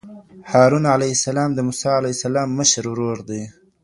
هارون عليه السلام د موسی عليه السلام مشر ورور دی